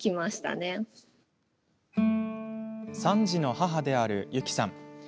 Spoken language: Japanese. ３児の母である由希さん。